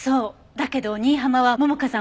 だけど新浜は桃香さん